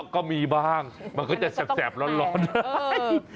ก็มีบ้างมันก็จะแสบร้อนได้